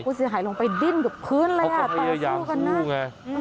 เสียหายลงไปดิ้นกับพื้นเลยอ่ะต่อสู้กันนะ